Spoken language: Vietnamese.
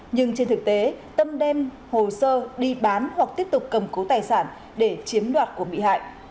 nhưng trên thực tế tâm đem hồ sơ đi bán hoặc tiếp tục cầm cố tài sản để chiếm đoạt của bị hại